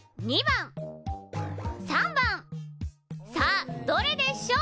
さあどれでしょう？